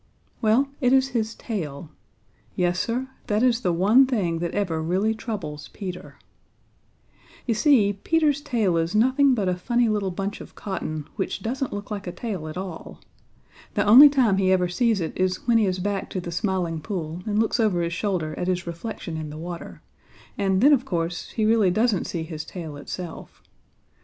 Well, it is his tail. Yes, Sir, that is the one thing that ever really troubles Peter. You see, Peter's tail is, nothing but a funny little bunch of cotton, which doesn't look like a tail at all. The only time he ever sees it is when he is back to the Smiling Pool and looks over his shoulder at his reflection in the water, and then, of course, he really doesn't see his tail itself.